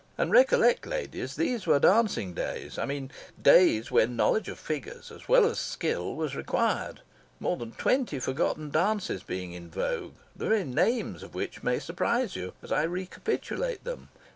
And recollect, ladies, these were dancing days I mean days when knowledge of figures as well as skill was required, more than twenty forgotten dances being in vogue, the very names of which may surprise you as I recapitulate them.